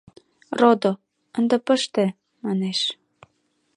— Родо, ынде пыште, — манеш.